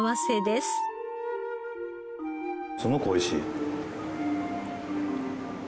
すごくおいしい。